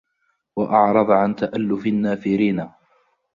وَأَعْرَضَ عَنْ تَأَلُّفِ النَّافِرِينَ